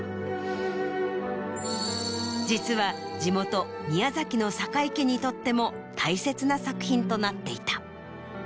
実は地元宮崎の堺家にとっても大切な作品となっていた。